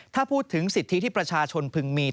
ถ้าพูดถึงสิทธิที่ประชาชนพึงมี